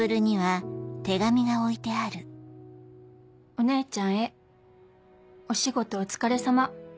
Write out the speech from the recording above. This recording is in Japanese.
「お姉ちゃんへお仕事お疲れさま。